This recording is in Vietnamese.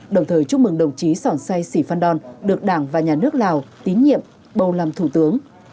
đồng thời chúc mừng đồng chí sòn sai sĩ phan đòn được đảng và nhà nước lào tín nhiệm bầu làm thủ tướng